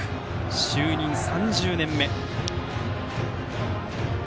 就任３０年目。